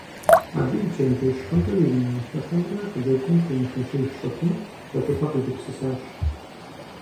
Абы и чэнджэщхэмрэ и унафэхэмрэ хъыджэбзым хуэмышэчыж щыхъум, хэкӀыпӀэ къигупсысащ.